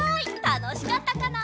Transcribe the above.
たのしかったかな？